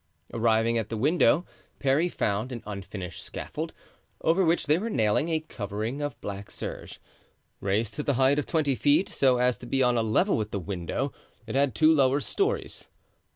Arriving at the window Parry found an unfinished scaffold, over which they were nailing a covering of black serge. Raised to the height of twenty feet, so as to be on a level with the window, it had two lower stories.